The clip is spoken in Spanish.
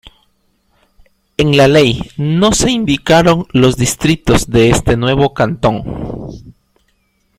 En la ley no se indicaron los distritos de este nuevo cantón.